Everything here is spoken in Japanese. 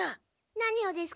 何をですか？